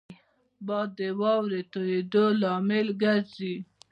باد د واورې تویېدو لامل ګرځي